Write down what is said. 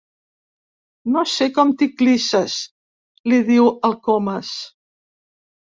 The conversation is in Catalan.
No sé com t'hi clisses —li diu el Comas—.